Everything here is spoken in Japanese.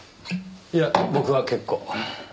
いや僕は結構。